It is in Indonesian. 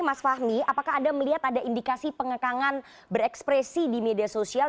mas fahmi apakah anda melihat ada indikasi pengekangan berekspresi di media sosial